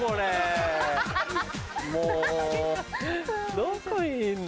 どこいんの？